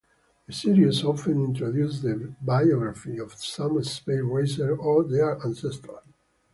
The series often introduces the biography of some Space Racers or their ancestors.